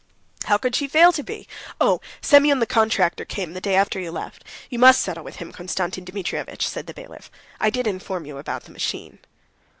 "How could she fail to be? Oh, Semyon the contractor came the day after you left. You must settle with him, Konstantin Dmitrievitch," said the bailiff. "I did inform you about the machine."